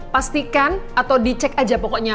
pastikan atau dicek aja pokoknya